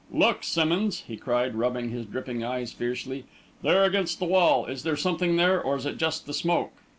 "Look, Simmonds," he cried, rubbing his dripping eyes fiercely, "there against the wall? is there something there or is it just the smoke?"